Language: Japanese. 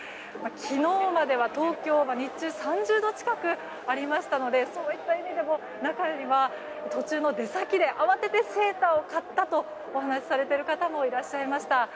昨日までは東京、日中は３０度近くありましたのでそういった意味でも中には、途中の出先で慌ててセーターを買ったと話されている方もいらっしゃいました。